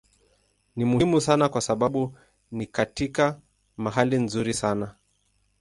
Ni muhimu sana kwa sababu ni katika mahali nzuri sana.